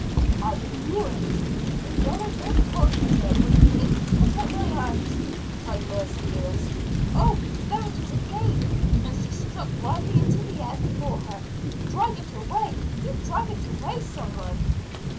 "I knew it! The yellow bird told me so, when it came to peck out my eyes," cried Mercy Lewis. "Oh! there it is again!" and she struck wildly into the air before her face. "Drive it away! Do drive it away, some one!"